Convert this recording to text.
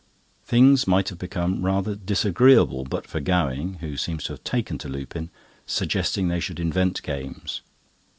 Things might have become rather disagreeable but for Gowing (who seems to have taken to Lupin) suggesting they should invent games.